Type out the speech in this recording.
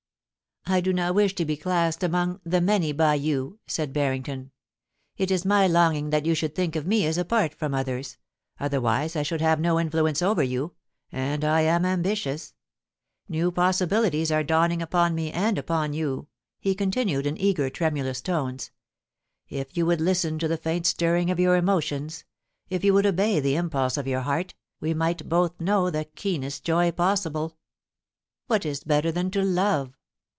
* I do not wish to be classed among " the many" by you,' said Barrington. ' It is my longing that you should think 198 POLICY AND PASSION. of me as apart from others — otherwise I should have no in fluence over you — and I am ambitious ... New possibili ties are dawning upon me and upon you/ he continued, in eager, tremulous tones. * If you would listen to the faint stirring of your emotions— if you would obey the impulse of your heart, we might both know the keenest joy possible. ... What is better than to love